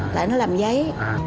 tại nó làm giấy